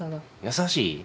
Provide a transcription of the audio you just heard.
優しい？